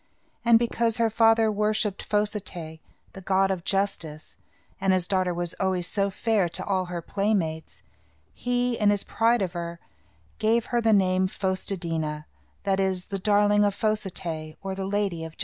And, because her father worshipped Fos i té', the god of justice, and his daughter was always so fair to all her playmates, he, in his pride of her, gave her the name Fos te dí' na, that is, the darling of Fos i té', or the Lady of Justice.